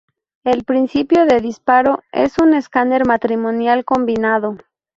El principio de disparo es un escáner matricial combinado.